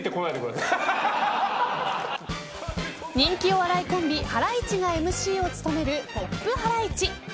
人気お笑いコンビハライチがＭＣを務めるポップハライチ。